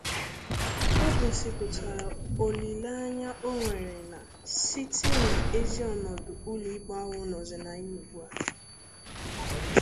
O gosipụtara olileanya o nwere na site n'ezi ọnọdụ ụlọikpe ahụ nọzị na ya ugbua